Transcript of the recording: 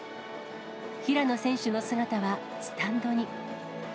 平野選手の姿はスタンドに。